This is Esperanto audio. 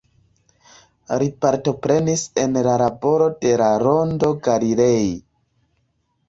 Li partoprenis en la laboro de la Rondo Galilei.